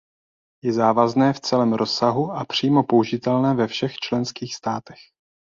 Je závazné v celém rozsahu a přímo použitelné ve všech členských státech.